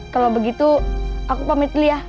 kalau begitu aku pamit liah